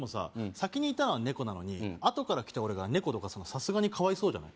先にいたのは猫なのにあとから来た俺が猫どかすのさすがにかわいそうじゃない？